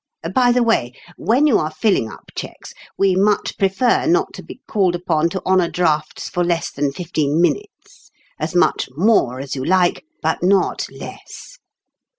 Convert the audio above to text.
By the way, when you are filling up cheques, we much prefer not to be called upon to honor drafts for less than fifteen minutes ; as much more as you like, but not less.